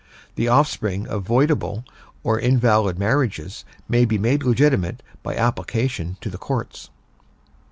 The offspring of voidable or invalid marriages may be made legitimate by application to the courts.